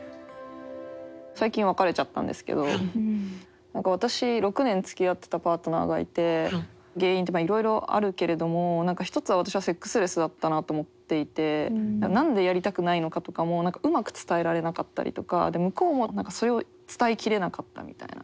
最近別れちゃったんですけど私６年つきあってたパートナーがいて原因っていろいろあるけれども何か一つは私はセックスレスだったなと思っていて何でやりたくないのかとかもうまく伝えられなかったりとか向こうもそれを伝え切れなかったみたいな。